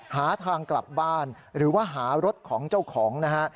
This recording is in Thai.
หาทางกลับบ้านหรือว่าหารถของเจ้าของนะฮะ